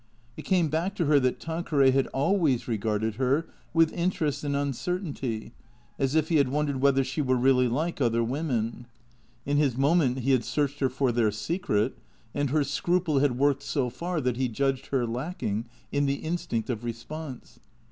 It came back to her that Tanqueray had always regarded her with interest and uncertainty, as if he had wondered whether she were really like other women. In his moment he had searched her for their secret, and her scruple had worked so far that he judged her lacking in the instinct of response.